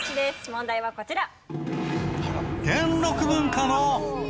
問題はこちら。